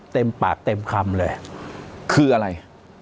เต็มปากเต็มคำเลยคืออะไร